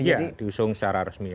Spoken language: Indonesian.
iya diusung secara resmi